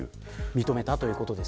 認めたということです。